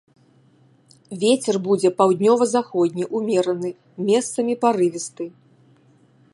Вецер будзе паўднёва-заходні ўмераны, месцамі парывісты.